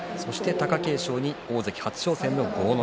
貴景勝に大関初挑戦の豪ノ